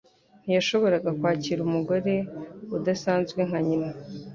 Ntiyashoboraga kwakira umugore udasanzwe nka nyina.